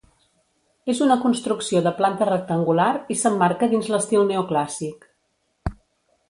És una construcció de planta rectangular i s'emmarca dins l'estil neoclàssic.